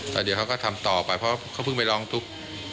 แต่เดี๋ยวเขาก็ทำต่อไปเพราะเขาเพิ่งไปร้องทุกข์